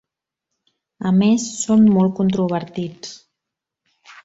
A més, són molt controvertits.